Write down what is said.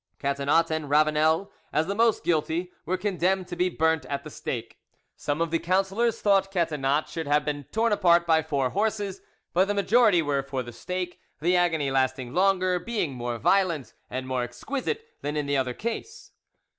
Catinat and Ravanel, as the most guilty, were condemned to be burnt at the stake. Some of the councillors thought Catinat should have been torn apart by four horses, but the majority were for the stake, the agony lasting longer, being more violent and more exquisite than in the of other case.